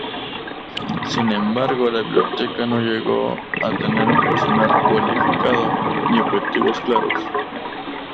Sin embargo, la Biblioteca no llegó a tener un personal cualificado, ni objetivos claros.